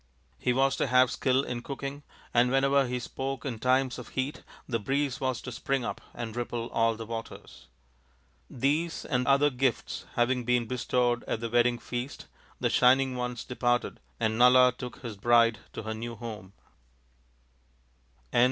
He was to have skill in cooking, and when ever he spoke in times of heat the breeze was to spring up and ripple all the waters. These and other gifts having been bestowed at the wedding feast, the Shining Ones departed and Nala took his bride to her new home.